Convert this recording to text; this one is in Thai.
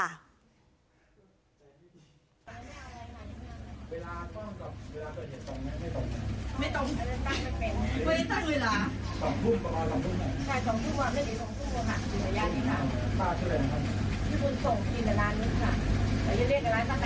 น้ำส้มกระห่าดคืนตัยอย่าดีกว่า